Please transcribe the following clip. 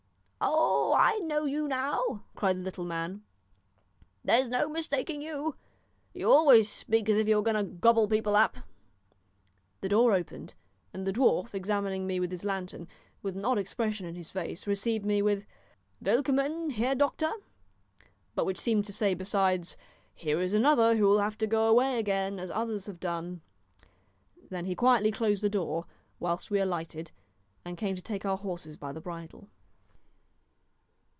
"Oh! I know you now," cried the little man; "there's no mistaking you. You always speak as if you were going to gobble people up." The door opened, and the dwarf, examining me with his lantern, with an odd expression in his face, received me with "Willkommen, herr doctor," but which seemed to say besides, "Here is another who will have to go away again as others have done." Then he quietly closed the door, whilst we alighted, and came to take our horses by the bridle.